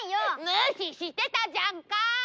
「むししてたじゃんか！」。